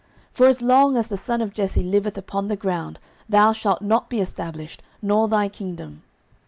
09:020:031 For as long as the son of Jesse liveth upon the ground, thou shalt not be established, nor thy kingdom.